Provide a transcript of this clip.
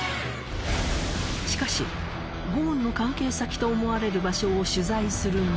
しかしゴーンの関係先と思われる場所を取材するも。